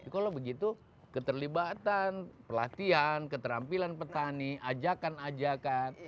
kalau begitu keterlibatan pelatihan keterampilan petani ajakan ajakan